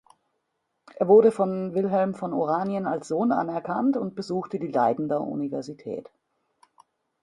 Er wurde von Wilhelm von Oranien als Sohn anerkannt und besuchte die Leidener Universität.